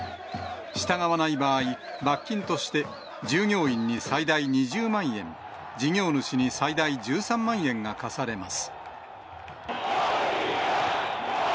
従わない場合、罰金として従業員に最大２０万円、事業主に最大１３万円が科されます。